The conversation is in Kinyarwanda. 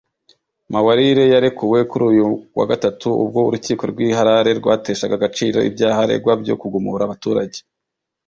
Mawarire yarekuwe kuri uyu wa Gatatu ubwo urukiko rw’i Harare rwateshaga agaciro ibyaha aregwa byo kugumura abaturage